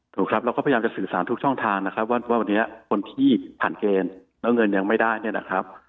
ถูกครับเราก็พยายามจะสื่อสารทุกช่องทางนะครับว่าวันนี้คนที่ผ่านเกณฑ์แล้วเงินยังไม่ได้เนี่ยนะครับ